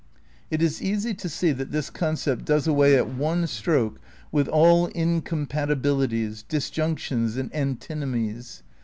It is easy to see that this concept does away at one stroke with all incompatibilities, disjunctions and an tinomies.